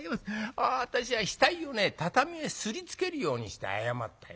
私は額をね畳へ擦りつけるようにして謝ったよ。